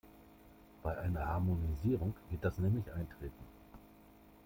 Bei einer Harmonisierung wird das nämlich eintreten.